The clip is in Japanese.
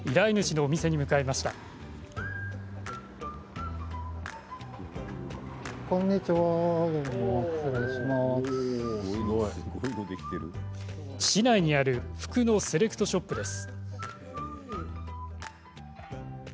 おお、すごい！市内にある服のセレクトショップです。